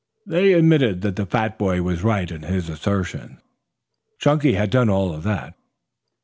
They admitted that the fat boy was right in this assertion. Chunky had done all of that.